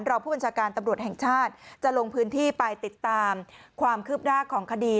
รองผู้บัญชาการตำรวจแห่งชาติจะลงพื้นที่ไปติดตามความคืบหน้าของคดี